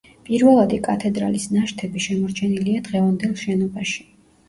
პირველადი კათედრალის ნაშთები შემორჩენილია დღევანდელ შენობაში.